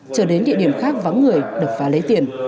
chờ đến địa điểm khác vắng người được phá lấy tiền